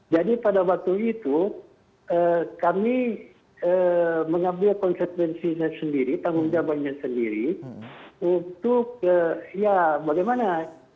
jadi pada waktu itu kami mengambil konsertensinya sendiri tanggung jawabannya sendiri untuk ya bagaimana